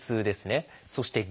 そして「下痢」。